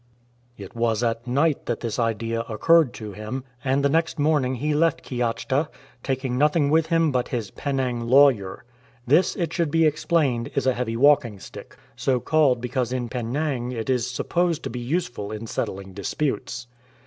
It was at night that this idea occurred to him, and the next morning he left Kiachta, taking nothing with him but his " Penang lawyer." This, it should be explained, is a heavy walking stick, so called because in Penang it is supposed to be useful in settling disputes.